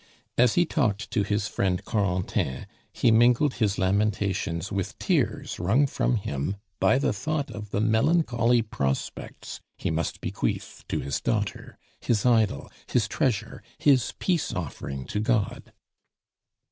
As he talked to his friend Corentin, he mingled his lamentations with tears wrung from him by the thought of the melancholy prospects he must bequeath to his daughter, his idol, his treasure, his peace offering to God.